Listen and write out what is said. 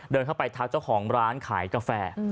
เดินเข้าไปทักเจ้าของร้านขายกาแฟ